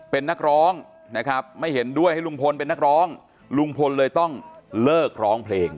เป็นนักร้องนะครับไม่เห็นด้วยให้ลุงพลเป็นนักร้องลุงพลเลยต้องเลิกร้องเพลง